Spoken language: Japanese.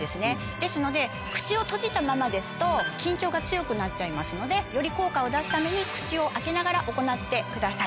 ですので口を閉じたままですと緊張が強くなっちゃいますのでより効果を出すために口を開けながら行ってください。